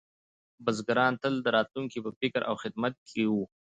بزګران تل د راتلونکي په فکر او خدمت کې وو.